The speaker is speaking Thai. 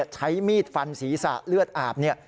ใช้มีดฟันศีรษะเลือดอาบ